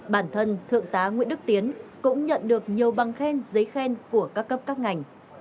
bản thân thượng tá nguyễn đức tiến cũng nhận được nhiều băng khen giấy khen của các cấp các ngành